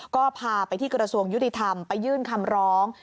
ก็พาไปที่กระทรวงยุติธรรมไปยื่นคำร้อง